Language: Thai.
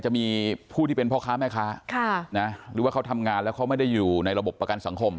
จะมีผู้ที่เป็นพ่อค้าแม่ค้าหรือว่าเขาทำงานแล้วเขาไม่ได้อยู่ในระบบประกันสังคม